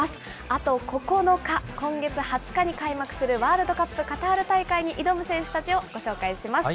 あと９日、今月２０日に開幕するワールドカップカタール大会に挑む選手たちをご紹介します。